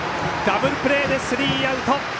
ダブルプレーでスリーアウト！